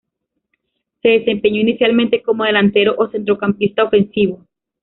Se desempeñó inicialmente como delantero o centrocampista ofensivo.